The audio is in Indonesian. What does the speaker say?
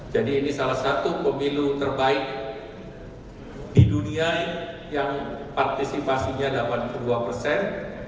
jadi ini salah satu pemilu terbaik di dunia yang partisipasinya dapat ke dua persen